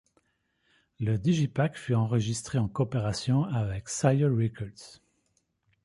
Le Digipak fut enregistré en coopération avec Sire Records.